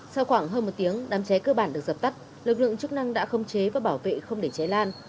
sau khoảng hơn một tiếng đám cháy cơ bản được dập tắt lực lượng chức năng đã khống chế và bảo vệ không để cháy lan